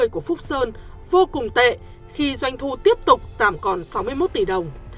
của phúc sơn vô cùng tệ khi doanh thu tiếp tục giảm còn sáu mươi một tỷ đồng